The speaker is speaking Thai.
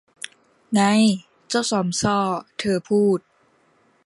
ไง เจ้าซอมซ่อ เธอพูด